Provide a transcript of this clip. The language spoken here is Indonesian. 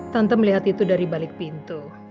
tante melihat itu dari balik pintu